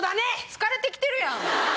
疲れて来てるやん。